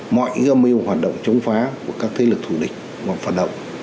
mọi gâm mưu hoạt động chống phá của các thế lực thủ địch hoặc phạt động